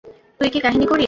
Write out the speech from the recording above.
তুই কী কাহিনী করিস?